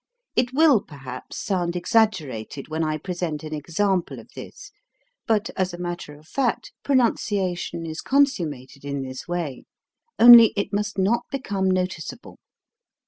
It will perhaps sound exaggerated when I present an example of this, but as a matter of fact pronunciation is consummated in this way; only, it must not become notice able.